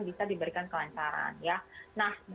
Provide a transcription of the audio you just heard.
bisa diberikan kelancaran